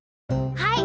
はい！